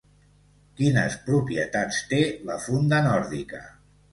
Quines propietats té la funda nòrdica?